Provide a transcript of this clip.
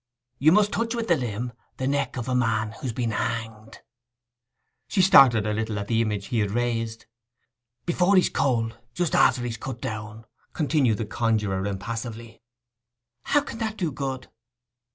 'You must touch with the limb the neck of a man who's been hanged.' She started a little at the image he had raised. 'Before he's cold—just after he's cut down,' continued the conjuror impassively. 'How can that do good?